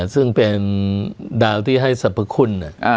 ซึ่งเป็นดาวที่ให้สรรพคุณ